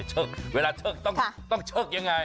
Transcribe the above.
เชิกเวลาเชิกต้องเชิกอย่างไร